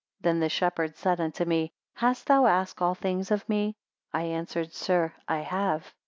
Then the shepherd said unto me, Hast thou asked all things of me? I answered, sir, I have.